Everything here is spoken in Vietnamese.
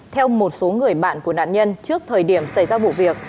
theo một số người bạn của nạn nhân trước thời điểm xảy ra vụ việc